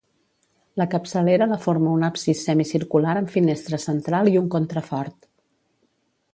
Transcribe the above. La capçalera la forma un absis semicircular amb finestra central i un contrafort.